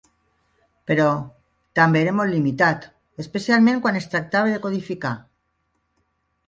Però també era molt limitat, especialment quan es tractava de codificar.